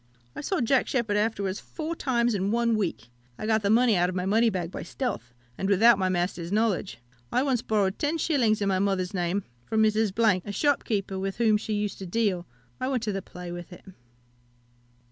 I saw Jack Sheppard afterwards four times in one week. I got the money out of my money bag by stealth, and without my master's knowledge. I once borrowed 10s. in my mother's name from Mrs. , a shopkeeper, with whom she used to deal; I went to the play with it.